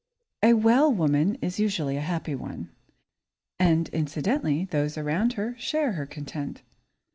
A well woman is usually a happy one, and incidentally, those around her share her content.